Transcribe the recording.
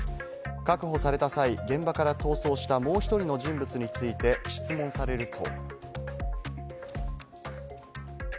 確保された際、現場から逃走したもう１人の人物について質問されると。